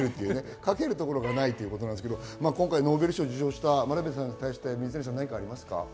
かけるところがないということですけど、ノーベル賞を受賞した真鍋さんに対して何かありますか？